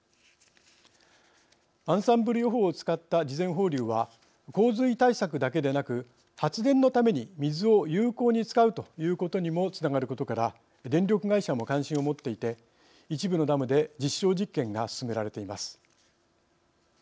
アンサンブル予報を使った事前放流は洪水対策だけでなく発電のために水を有効に使うということにもつながることから電力会社も関心を持っていて一部のダムで実証実験が進められています。